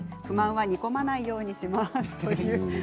不満は煮込まないようにします。